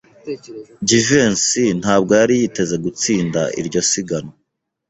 Jivency ntabwo yari yiteze gutsinda iryo siganwa.